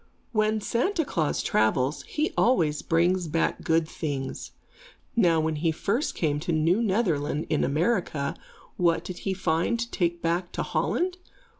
When Santa Klaas travels, he always brings back good things. Now when he first came to New Netherland in America, what did he find to take back to Holland?